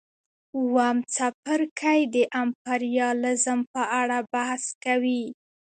اووم څپرکی د امپریالیزم په اړه بحث کوي